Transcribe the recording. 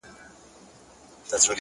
هره ستونزه د بدلون اړتیا ښيي،